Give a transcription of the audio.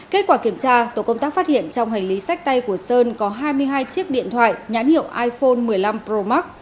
kết quả kiểm tra tổ công tác phát hiện trong hành lý sách tay của sơn có hai mươi hai chiếc điện thoại nhãn hiệu iphone một mươi năm pro max